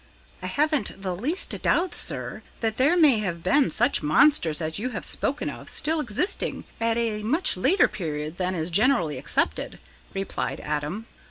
"I haven't the least doubt, sir, that there may have been such monsters as you have spoken of still existing at a much later period than is generally accepted," replied Adam.